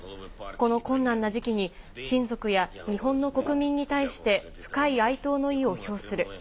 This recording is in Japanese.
この困難な時期に、親族や日本の国民に対して深い哀悼の意を表する。